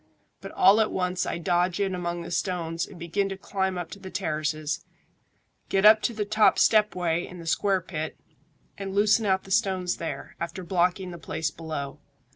But all at once I dodge in among the stones and begin to climb up to the terraces, get up to the top step way in the square pit, and loosen out the stones there, after blocking the place below.